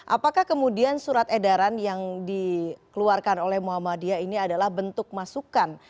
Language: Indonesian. apakah kemudian surat edaran yang dikeluarkan oleh muhammadiyah ini adalah bentuk masukan